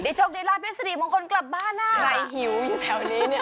ได้โชคได้ลาบเลสสดิพลังคลกลับบ้านนะใครหิวอยู่แถวนี้เนี่ย